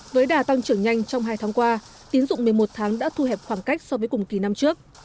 với đà tăng trưởng nhanh trong hai tháng qua tín dụng một mươi một tháng đã thu hẹp khoảng cách so với cùng kỳ năm trước